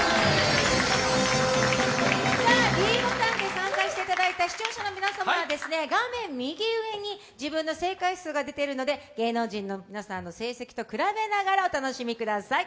ｄボタンで参加していただいた視聴者の皆さんは画面右上に自分の正解数が出ているので芸能人の皆さんの成績と比べながらお楽しみください。